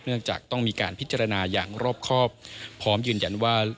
จากต้องมีการพิจารณาอย่างรอบครอบพร้อมยืนยันว่า